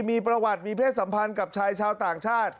มีประวัติมีเพศสัมพันธ์กับชายชาวต่างชาติ